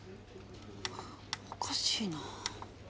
おかしいな。